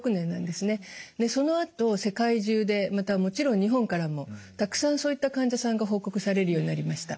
でそのあと世界中でまたもちろん日本からもたくさんそういった患者さんが報告されるようになりました。